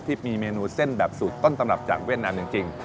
ที่มีเมนูเส้นแบบสูตรต้นตำรับจากเวียดนามจริง